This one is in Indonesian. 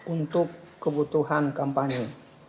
untuk kebutuhan kampanye